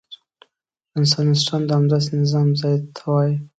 رنسانستان د همداسې نظام ځای ته وايي.